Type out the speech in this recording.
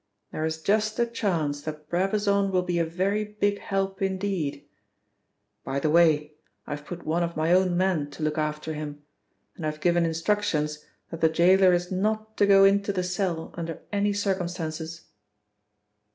"There is just a chance that Brabazon will be a very big help indeed. By the way, I've put one of my own men to look after him, and I have given instructions that the jailer is not to go into the cell under any circumstances."